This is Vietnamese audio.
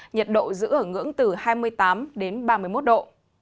nhiệt độ giữ ở ngưỡng từ hai mươi tám đến ba mươi một độ